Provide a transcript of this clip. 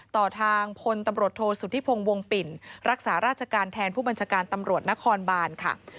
ต่อทางพลตำรวจโทษสุธิพงศ์วงปิ่นรักษาราชการแทนผู้บัญชาการตำรวจนครบานค่ะ